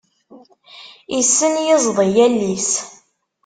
Issen yiẓḍi yall-is.